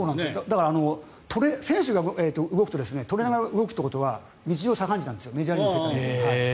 だから選手が動くとトレーナーが動くということは日常茶飯事なんですよメジャーリーグの世界で。